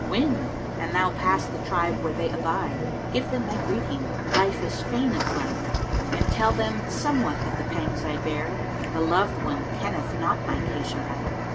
Wind! an thou pass the tribe where they abide * Give them my greeting, life is fain of flight. And tell them somewhat of the pangs I bear: * The loved one kenneth not my case aright."